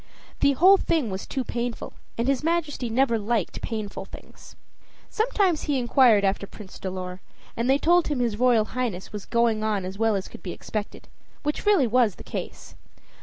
The whole thing was too painful, and his Majesty never liked painful things. Sometimes he inquired after Prince Dolor, and they told him his Royal Highness was going on as well as could be expected, which really was the case.